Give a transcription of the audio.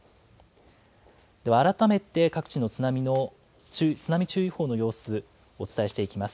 では改めて、各地の津波の、津波注意報の様子、お伝えしていきます。